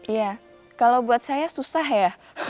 iya kalau buat saya susah ya